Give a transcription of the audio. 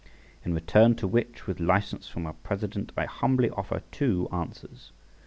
In return to which, with license from our president, I humbly offer two answers.